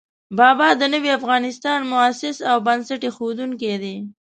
بابا د نوي افغانستان مؤسس او بنسټ اېښودونکی دی.